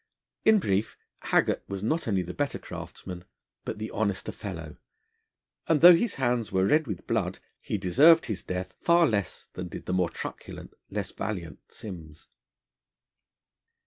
In brief, Haggart was not only the better craftsman, but the honester fellow, and though his hands were red with blood, he deserved his death far less than did the more truculent, less valiant Simms.